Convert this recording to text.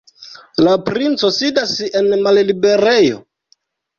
La princo sidas en malliberejo?